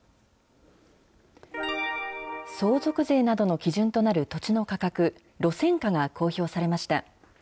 相続税などの基準となる土地の価格、路線価が公表されました。